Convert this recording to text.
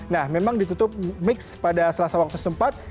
nah memang ditutup mix pada selasa waktu setempat